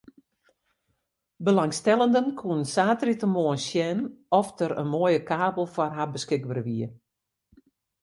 Belangstellenden koene saterdeitemoarn sjen oft der in moaie kavel foar har beskikber wie.